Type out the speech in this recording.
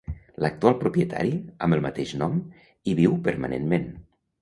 L'actual propietari, amb el mateix nom, hi viu permanentment.